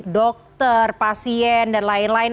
dokter pasien dan lain lain